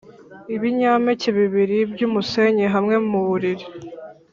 ibinyampeke bibiri byumusenyi hamwe muburiri,